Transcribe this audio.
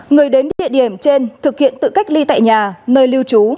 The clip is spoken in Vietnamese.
người đến địa điểm trên thực hiện tự cách ly tại nhà nơi lưu trú